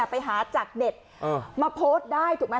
ไปหาจากเน็ตมาโพสต์ได้ถูกไหม